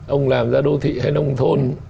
ông làm ra đô thị hay nông thôn